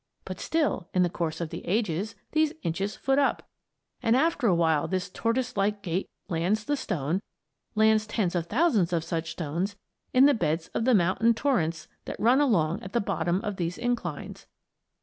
But still, in the course of the ages, these inches foot up, and after a while this tortoise like gait lands the stone lands tens of thousands of such stones in the beds of the mountain torrents that run along at the bottom of these inclines.